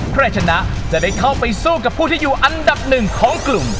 ใครชนะจะได้เข้าไปสู้กับผู้ที่อยู่อันดับหนึ่งของกลุ่ม